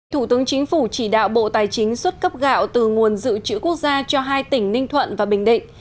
thủ tướng chính phủ chỉ đạo bộ tài chính xuất cấp gạo từ nguồn dự trữ quốc gia cho hai tỉnh ninh thuận và bình định